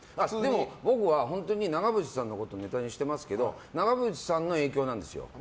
僕は、長渕さんのことをネタにしてますけど長渕さんの影響なんですよ。